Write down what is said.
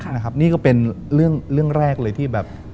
นะครับนี่ก็เป็นเรื่องแรกเลยที่แบบ